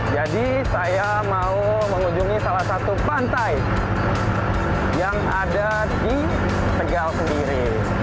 jadi saya mau mengunjungi salah satu pantai yang ada di tegal sendiri